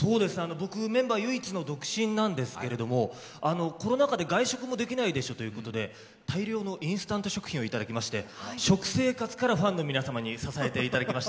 僕メンバー唯一の独身なんですけれども、コロナ禍で外食もできないでしょうということで大量のインスタント食品をいただきまして、食生活からファンの皆様に支えていただきました。